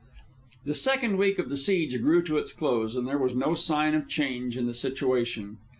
The second week of the siege drew to its close, and there was no sign of change in the situation.